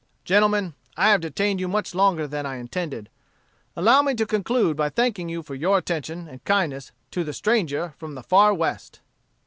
"Gentlemen, I have detained you much longer than I intended: allow me to conclude by thanking you for your attention and kindness to the stranger from the far West."